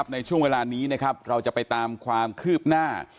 ในช่วงเวลานี้นะครับเราจะไปตามความคืบหน้า